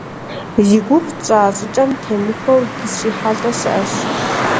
Зи гугъу тщӏа щӏыкӏэм темыхуэу дыщрихьэлӏэ щыӏэщ.